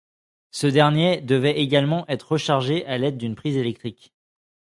Ce dernier devait également être rechargé à l'aide d'une prise électrique.